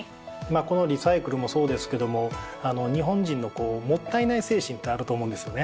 このリサイクルもそうですけども日本人のもったいない精神ってあると思うんですよね。